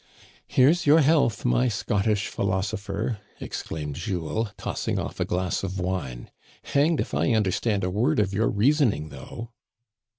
" Here's your health, my Scottish philosopher," ex claimed Jules, tossing off a glass of wine. Hanged if I understand a word of your reasoning though."